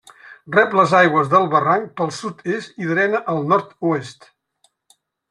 Rep les aigües del barranc pel sud-est i drena al nord-oest.